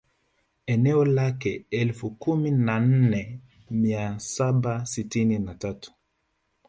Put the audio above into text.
Eneo lake elfu kumi na nne mia saba sitini na tatu